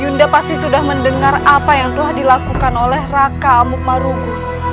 yunda pasti sudah mendengar apa yang telah dilakukan oleh raka mukmarugu